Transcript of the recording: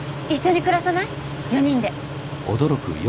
４人で。